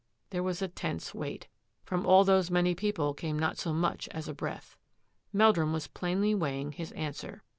There Was a tense wait. From all those many people came not so much as a breath. Meldrum was plainly weighing his answer.